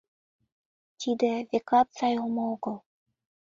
Тиде, векат, сай омо огыл.